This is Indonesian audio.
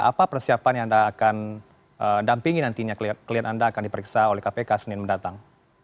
apa persiapan yang anda akan dampingi nantinya klien anda akan diperiksa oleh kpk senin mendatang